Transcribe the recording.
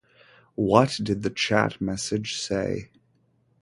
What did the chat message say?